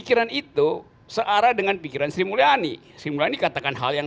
kita juga basa hanya menggunakan melalui kode pen the bonyol kemenangan